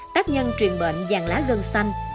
tác nhân truyền bệnh vàng lá gân xanh